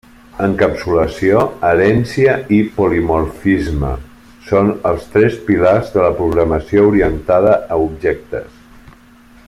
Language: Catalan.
Encapsulació, herència i polimorfisme són els tres pilars de la programació orientada a objectes.